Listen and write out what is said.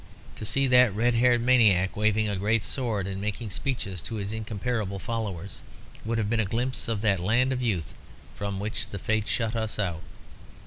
To see that red haired maniac waving a great sword, and making speeches to his incomparable followers, would have been a glimpse of that Land of Youth from which the Fates shut us out.